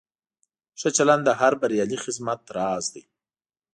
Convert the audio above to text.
ښه چلند د هر بریالي خدمت راز دی.